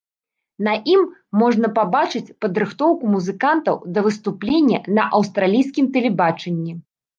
На ім можна пабачыць падрыхтоўку музыкантаў да выступлення на аўстралійскім тэлебачанні.